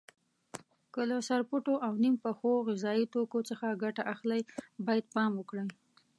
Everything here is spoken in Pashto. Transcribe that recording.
که له سرپټو او نیم پخو غذایي توکو څخه ګټه اخلئ باید پام وکړئ.